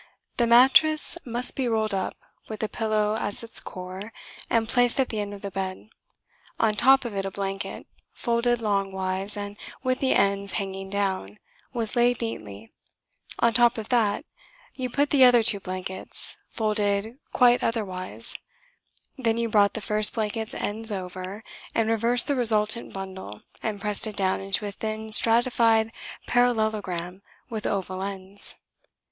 The mattress must be rolled up, with the pillow as its core, and placed at the end of the bed. On top of it a blanket, folded longwise and with the ends hanging down, was laid neatly; on top of that you put the other two blankets, folded quite otherwise; then you brought the first blanket's ends over, and reversed the resultant bundle and pressed it down into a thin stratified parallelogram with oval ends.